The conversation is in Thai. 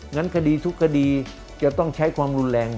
งั้นคดีทุกคดีจะต้องใช้ความรุนแรง